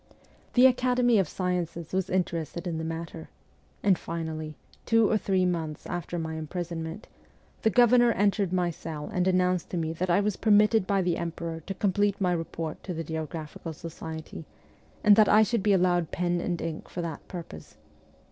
The Academy of Sciences was interested in the matter ; and finally, two or three months after my imprisonment, the governor entered my cell and announced to me that I was permitted by the Emperor to complete my report to the Geographical Society, and that I should be allowed pen and ink for that purpose.